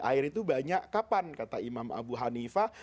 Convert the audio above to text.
air itu banyak kapan kata imam abu hanifah